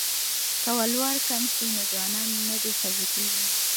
که ولور کم شي نو ځوانان نه بې ښځې کیږي.